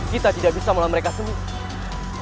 kita tidak bisa melah mereka semua